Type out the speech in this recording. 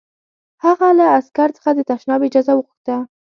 هغه له عسکر څخه د تشناب اجازه وغوښته